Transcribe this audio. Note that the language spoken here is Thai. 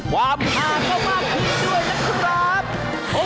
ความภาพเข้ามากขึ้นด้วยนะครับ